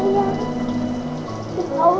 aku mau pulih ngerah